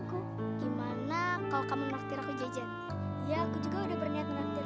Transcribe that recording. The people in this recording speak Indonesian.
hai romanya ik apa eh memangnya ngana nyanda punya kaki kaki